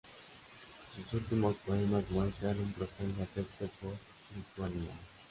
Sus últimos poemas muestran un profundo afecto por Lituania.